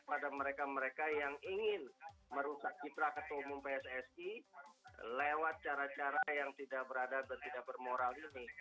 pada mereka mereka yang ingin merusak citra ketua umum pssi lewat cara cara yang tidak berada dan tidak bermoral ini